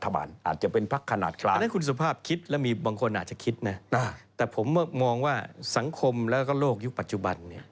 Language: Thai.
มันเป็นไปไม่ได้นะครับ